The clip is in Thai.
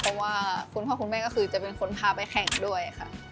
เพราะว่าคุณพ่อคุณแม่ก็คือจะเป็นคนพาไปแข่งด้วยค่ะ